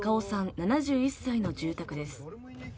７１歳の住宅です。